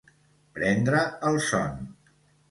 Prendre el son.